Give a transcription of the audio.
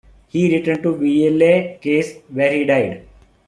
He returned to Vieille Case, where he died.